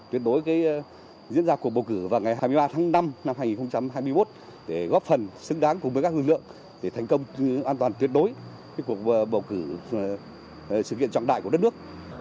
tuyệt đối diễn ra cuộc bầu cử vào ngày hai mươi ba tháng năm năm hai nghìn hai mươi một để góp phần xứng đáng cùng với các lực lượng để thành công an toàn tuyệt đối cuộc bầu cử sự kiện trọng đại của đất nước